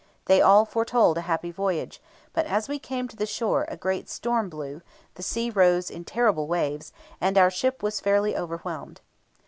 They all foretold a happy voyage, but as we came near the shore a great storm blew, the sea rose in terrible waves, and our ship was fairly overwhelmed.